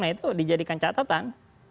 nah itu dijadikan catatan